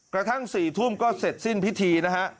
กระทั่ง๔ทุ่มก็เสร็จสิ้นพิธีนะฮะ